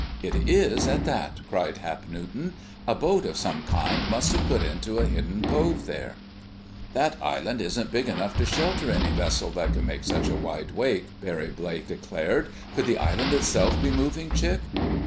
"It is, at that!" cried Hap Newton. "A boat of some kind must have put into a hidden cove there." "That island isn't big enough to shelter any vessel that could make such a wide wake," Barry Blake declared. "Could the island itself be moving, Chick?"